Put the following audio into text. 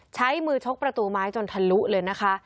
ใช้มือชกประตูไม้จนทะลุเลยนะคะ